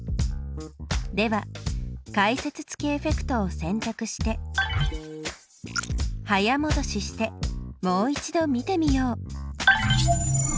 では解説付きエフェクトをせんたくして早もどししてもう一度見てみよう。